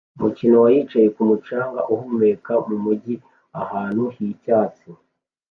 Umukino wa yicaye kumucanga uhumeka mumujyi ahantu h'icyatsi